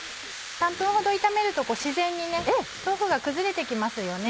３分ほど炒めると自然に豆腐が崩れて来ますよね。